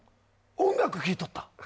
音楽聴いとった？